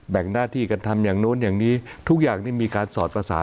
งหน้าที่กันทำอย่างนู้นอย่างนี้ทุกอย่างนี่มีการสอดภาษา